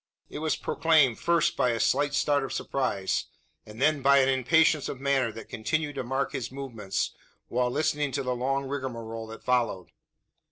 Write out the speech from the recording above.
It was proclaimed, first by a slight start of surprise, and then by an impatience of manner that continued to mark his movements, while listening to the long rigmarole that followed.